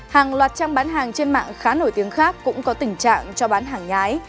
hàng loạt trang bán hàng trên mạng khá nổi tiếng khác cũng có tình trạng cho bán hàng nhái